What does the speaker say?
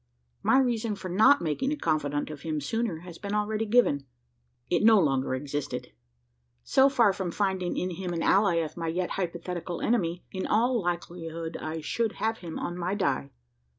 My reason for not making a confidant of him sooner has been already given. It no longer existed. So far from finding in him an ally of my yet hypothetical enemy, in all likelihood I should have him on my die.